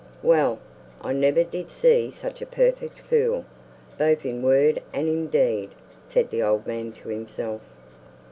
"Well! I never did see such a perfect fool, both in word and in deed, said the old man to himself.